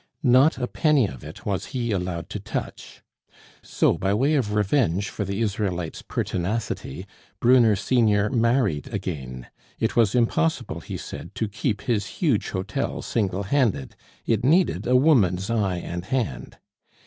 Not a penny of it was he allowed to touch. So, by way of revenge for the Israelite's pertinacity, Brunner senior married again. It was impossible, he said, to keep his huge hotel single handed; it needed a woman's eye and hand.